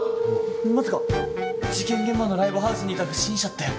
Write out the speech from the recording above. まさか事件現場のライブハウスにいた不審者って。